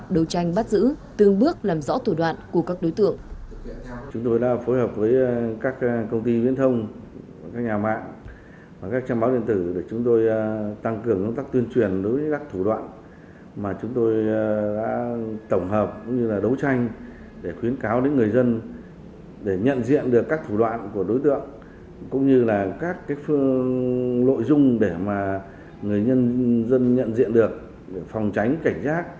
đấu tranh bắt giữ tương bước làm rõ thủ đoạn của các đối tượng